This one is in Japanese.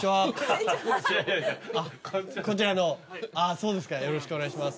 そうですかよろしくお願いします